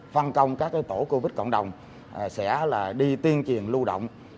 phân công các tổ covid cộng đồng sẽ đi tuyên truyền lưu động